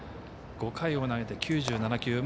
５回を投げて９７球。